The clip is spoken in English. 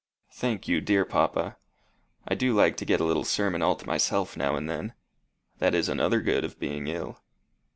"Thank you, dear papa. I do like to get a little sermon all to myself now and then. That is another good of being ill."